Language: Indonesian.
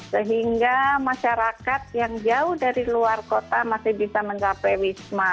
sehingga masyarakat yang jauh dari luar kota masih bisa mencapai wisma